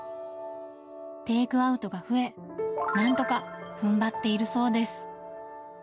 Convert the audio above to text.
テイクアウトが増え、なんとかふんばっているそうです。